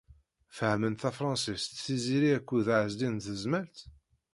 Fehhmen tafṛansist Tiziri akked Ɛezdin n Tezmalt?